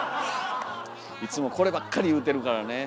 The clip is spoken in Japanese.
いつもこればっかり言うてるからね。